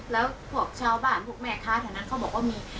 แล้วพวกชาวบ้านพวกแม่ค้าแถวนั้นเขาบอกว่ามี